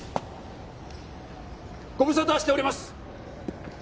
ご無沙汰しております。